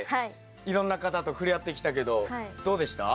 いろんな方とふれあってきたけどどうでした？